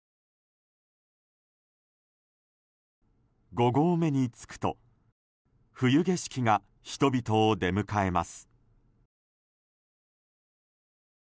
５合目に着くと冬景色が人々を出迎えます。